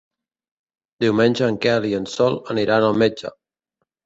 Diumenge en Quel i en Sol aniran al metge.